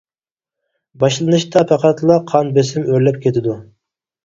باشلىنىشتا پەقەتلا قان بېسىمى ئۆرلەپ كېتىدۇ.